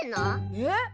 えっ？